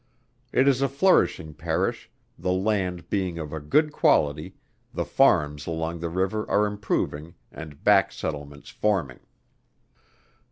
It is a flourishing Parish, the land being of a good quality, the farms along the river are improving, and back settlements forming.